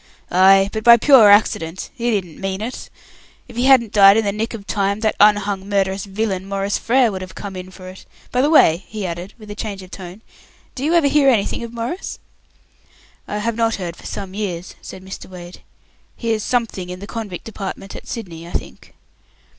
"Ay, but by pure accident. He didn't mean it. If he hadn't died in the nick of time, that unhung murderous villain, Maurice Frere, would have come in for it. By the way," he added, with a change of tone, "do you ever hear anything of Maurice?" "I have not heard for some years," said Mr. Wade. "He is something in the Convict Department at Sydney, I think."